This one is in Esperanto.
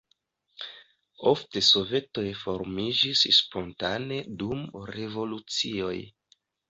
Ofte sovetoj formiĝis spontane dum revolucioj.